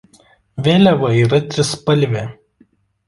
Vėliava yra trispalvė.